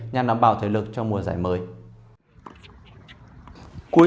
nhằm đảm bảo thể lực trong mùa giải mới